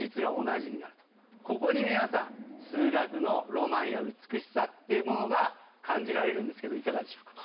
ここに皆さん。っていうものが感じられるんですけどいかがでしょうか。